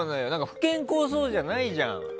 不健康そうじゃないじゃん。